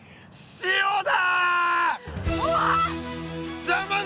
塩だ！